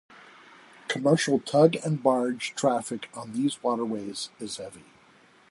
Commercial tug-and-barge traffic on these waterways is heavy.